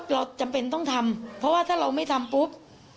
เราจำเป็นต้องทำเพราะว่าถ้าเราไม่ทำปุ๊บ